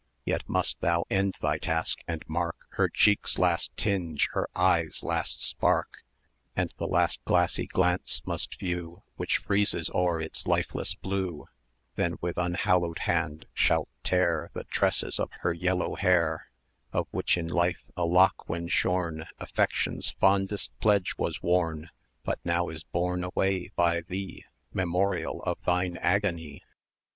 770 Yet must thou end thy task, and mark Her cheek's last tinge, her eye's last spark, And the last glassy glance must view Which freezes o'er its lifeless blue; Then with unhallowed hand shalt tear The tresses of her yellow hair, Of which in life a lock when shorn Affection's fondest pledge was worn, But now is borne away by thee, Memorial of thine agony!